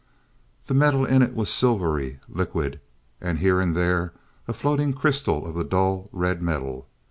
The metal in it was silvery, liquid, and here and there a floating crystal of the dull red metal.